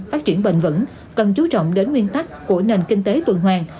phát triển bền vững cần chú trọng đến nguyên tắc của nền kinh tế tuần hoàng